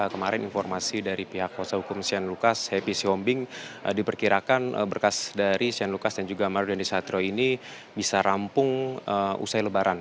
kemarin informasi dari pihak kosa hukum sian lukas hp siombing diperkirakan berkas dari sian lukas dan juga mario dandisatrio ini bisa rampung usai lebaran